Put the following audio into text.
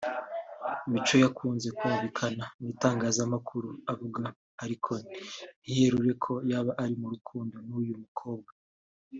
Mico yakunze kumvikana mu itanagzamakuru avuga ariko ntiyerure ko yaba ari mu rukundo n’uyu mukobwa